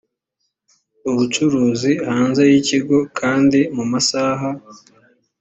ubucuruzi hanze y ikigo kandi mu masaha